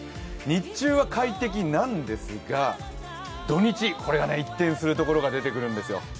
日中は快適なんですが、土日これが一転するところが出てくるんですよ。